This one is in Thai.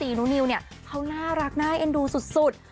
มีงานนี้ทำเอานุนิวอดปลื้มใจไม่ได้จริง